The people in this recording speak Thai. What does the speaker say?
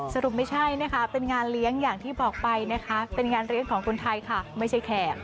สรุปไม่ใช่นะคะเป็นงานเลี้ยงอย่างที่บอกไปนะคะเป็นงานเลี้ยงของคนไทยค่ะไม่ใช่แขก